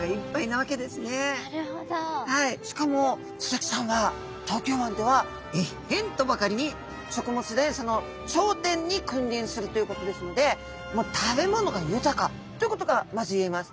しかもスズキちゃんは東京湾ではえっへんとばかりに食物連鎖の頂点に君臨するということですのでもう食べ物が豊かということがまず言えます。